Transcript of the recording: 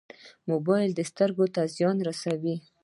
موبایل سترګو ته زیان رسوي